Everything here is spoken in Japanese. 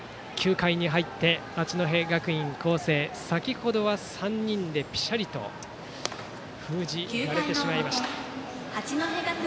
９回に入った八戸学院光星、先程は３人でぴしゃりと封じられてしまいました。